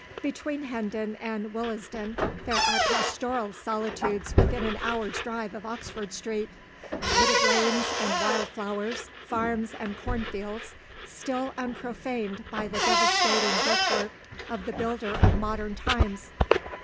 Between Hendon and Willesden, there are pastoral solitudes within an hour's drive of Oxford Street wooded lanes and wild flowers, farms and cornfields, still unprofaned by the devastating brickwork of the builder of modern times.